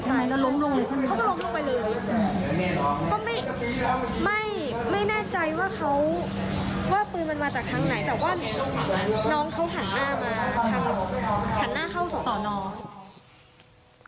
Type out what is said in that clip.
แต่ว่าน้องเขาหันหน้ามาหันหน้าเข้าสตน